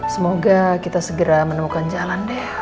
semoga kita segera menemukan jalan deh